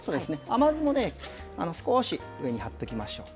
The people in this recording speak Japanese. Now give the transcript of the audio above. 甘酢も少し上にはっておきましょう。